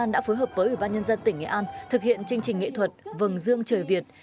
chương trình nghệ thuật vầng dương trời việt